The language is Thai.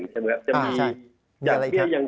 ใช่มั้ยจะมีอย่างเพียอย่าง